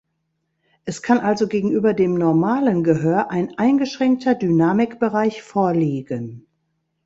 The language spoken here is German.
Es kann also gegenüber dem normalen Gehör ein eingeschränkter Dynamikbereich vorliegen.